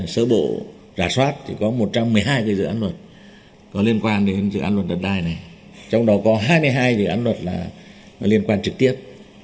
sở bộ rà soát thì có một trăm một mươi hai dự án luật có liên quan đến dự án luật đất đai này trong đó có hai mươi hai dự án luật là liên quan trực tiếp